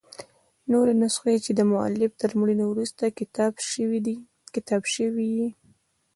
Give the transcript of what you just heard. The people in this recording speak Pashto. نوري نسخې، چي دمؤلف تر مړیني وروسته کتابت سوي يي.